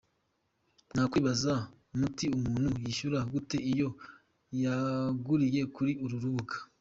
Mwakwibaza muti umuntu yishyura gute iyo yaguriye kuri uru rubuga?.